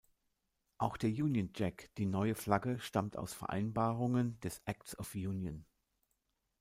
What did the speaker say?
Auch der Union Jack, die neue Flagge, stammt aus Vereinbarungen des Acts of Union.